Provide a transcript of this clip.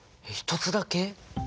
１つだけ？